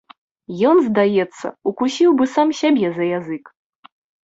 Ён, здаецца, укусіў бы сам сябе за язык.